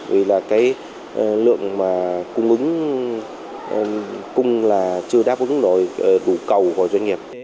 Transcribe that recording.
vì là cái lượng mà cung ứng cung là chưa đáp ứng nổi đủ cầu của doanh nghiệp